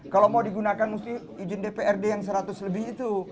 kalau mau digunakan mesti izin dprd yang seratus lebih itu